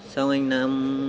xong anh nam